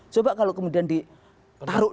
coba kalau kemudian ditaruh